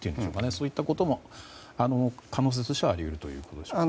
そういったことも可能性としてはあり得るということでしょうか？